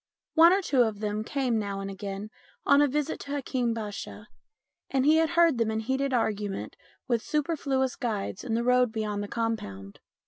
One or two of them came now and again on a visit to Hakeem Basha, and he had heard them in heated argument with superfluous guides in the road beyond the compound.